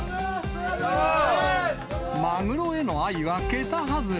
マグロへの愛は桁外れ。